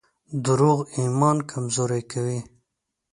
دروغ ایمان کمزوری کوي.